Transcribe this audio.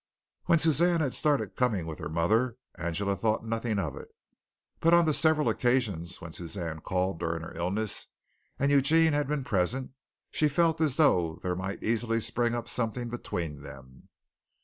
When Suzanne had started coming with her mother, Angela thought nothing of it; but on the several occasions when Suzanne called during her illness, and Eugene had been present, she felt as though there might easily spring up something between them.